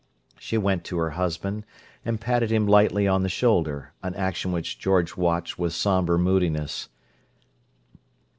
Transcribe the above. She went to her husband and patted him lightly on the shoulder, an action which George watched with sombre moodiness.